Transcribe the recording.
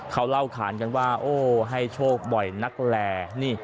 เขาเล่าขานกันว่าโอ้ให้โชคบ่อยนักแล